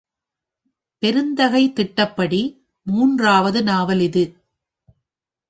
பெருந்தகை திட்டப்படி மூன்றாவது நாவல் இது.